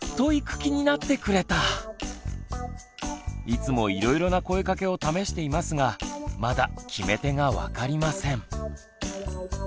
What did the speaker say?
いつもいろいろな声かけを試していますがまだ決め手が分かりません。